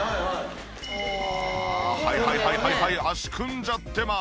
ああはいはいはいはいはい脚組んじゃってます。